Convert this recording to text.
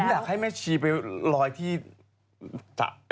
อันที่มันไม่ใช่แนวอันที่มันไม่ใช่แนว